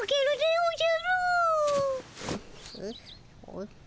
おじゃ。